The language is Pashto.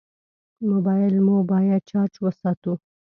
موبایل مو باید چارج وساتو.